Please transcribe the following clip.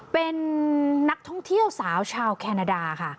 เป็นนักท่องเที่ยวสาวชาวแคนาดาค่ะ